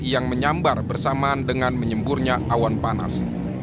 yang menyambar bersamaan dengan menyemburnya awan panas